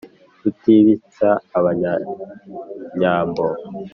rutibitsa abanyanyambo,